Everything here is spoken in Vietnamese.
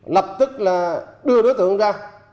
lập tức là đưa đối tượng ra